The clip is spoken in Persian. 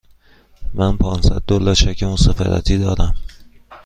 من پانصد دلار چک مسافرتی دارم.